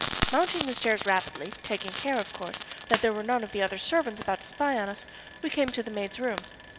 Mounting the stairs rapidly, taking care, of course, that there were none of the other servants about to spy upon us, we came to the maid's room.